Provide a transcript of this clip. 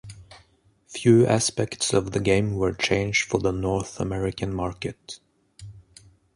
Few aspects of the game were changed for the North American market.